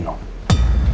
dan aku gak suka